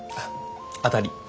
当たり。